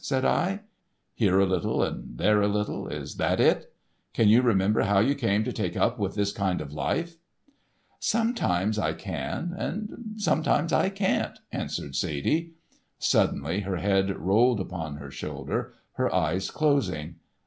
said I; "here a little and there a little—is that it? Can you remember how you came to take up with this kind of life?" "Sometimes I can and sometimes I can't," answered Sadie. Suddenly her head rolled upon her shoulder, her eyes closing.